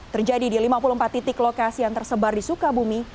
terjadi di lima puluh empat titik lokasi yang tersebar di sukabumi